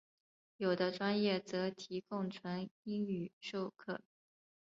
有的专业则提供纯英语授课。